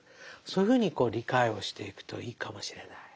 そういうふうに理解をしていくといいかもしれない。